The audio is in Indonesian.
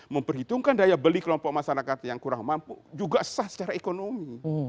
memperhitungkan daya beli kelompok masyarakat yang kurang mampu juga sah secara ekonomi